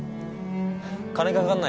金かかんない